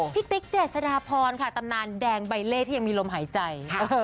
ติ๊กเจษฎาพรค่ะตำนานแดงใบเล่ที่ยังมีลมหายใจ